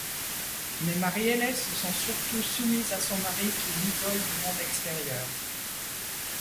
Mais Marielé se sent surtout soumise à son mari qui l'isole du monde extérieur.